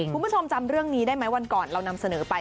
คุณผู้ชมจำเรื่องนี้ได้ไหมวันก่อนเรานำเสนอไป